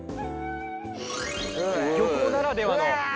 「漁港ならではの。